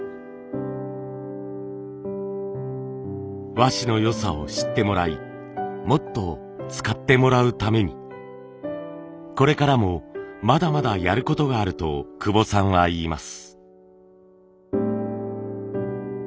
和紙の良さを知ってもらいもっと使ってもらうために「これからもまだまだやることがある」と久保さんは言います。